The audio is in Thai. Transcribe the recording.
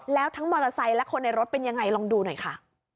แล้วทั้งมอเตอร์ไซค์และคนในรถเป็นยังไงลองดูหน่อยค่ะ